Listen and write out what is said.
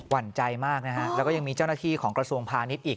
หั่นใจมากนะฮะแล้วก็ยังมีเจ้าหน้าที่ของกระทรวงพาณิชย์อีก